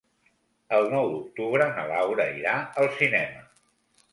El nou d'octubre na Laura irà al cinema.